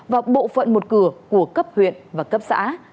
và bộ phận một cửa của cấp huyện và cấp xã